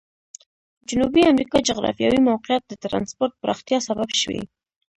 جنوبي امریکا جغرافیوي موقعیت د ترانسپورت پراختیا سبب شوی.